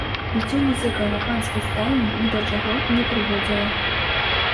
Біццё музыкаў на панскай стайні ні да чаго не прыводзіла.